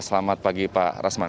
selamat pagi pak rasman